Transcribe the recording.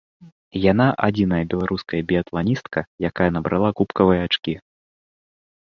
Яна адзіная беларуская біятланістка, якая набрала кубкавыя ачкі.